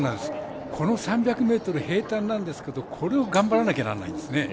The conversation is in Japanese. この３００ｍ平たんなんですけどこれを頑張らなきゃいけないんですね。